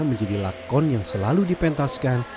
menjadi lakon yang selalu dipentaskan